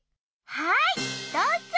はいどうぞ。